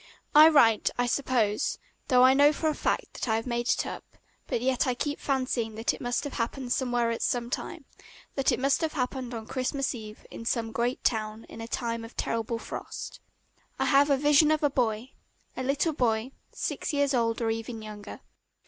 I write "I suppose," though I know for a fact that I have made it up, but yet I keep fancying that it must have happened somewhere at some time, that it must have happened on Christmas Eve in some great town in a time of terrible frost. I have a vision of a boy, a little boy, six years old or even younger.